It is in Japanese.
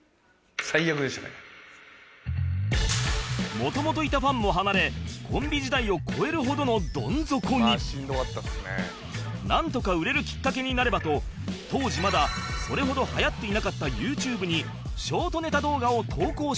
元々いたファンも離れなんとか売れるきっかけになればと当時まだそれほど流行っていなかった ＹｏｕＴｕｂｅ にショートネタ動画を投稿し始める